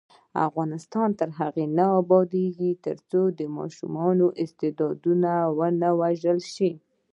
افغانستان تر هغو نه ابادیږي، ترڅو د ماشوم استعداد ونه وژل شي.